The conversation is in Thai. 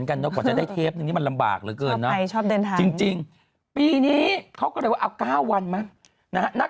ว่าจะได้เทปหนึ่งนี้มันลำบากเหลือเกินนะ